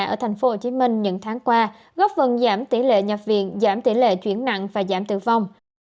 ở tp hcm những tháng qua góp phần giảm tỷ lệ nhập viện giảm tỷ lệ chuyển nặng và giảm tử vong